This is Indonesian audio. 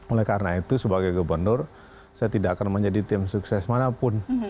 oleh karena itu sebagai gubernur saya tidak akan menjadi tim sukses manapun